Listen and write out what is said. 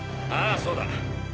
ああそうだ！